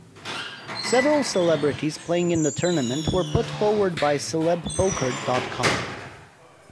Several celebrities playing in the tournament were put forward by celebpoker dot com.